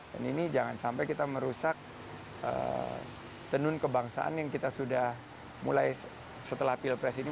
dan ini jangan sampai kita merusak tenun kebangsaan yang kita sudah mulai setelah pilpres ini